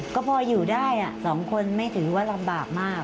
ก็พออยู่ได้๒คนไม่ถือว่าลำบากมาก